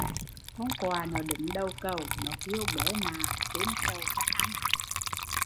Con quạ nó đứng đầu cầu, nó kêu bớ mạ têm trầu khách ăn